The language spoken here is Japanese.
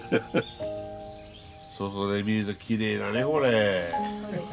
外で見るときれいだねこれ。